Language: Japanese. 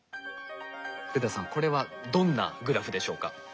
福田さんこれはどんなグラフでしょうか？